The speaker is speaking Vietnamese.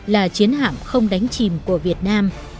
là chiến hạm không đánh chìm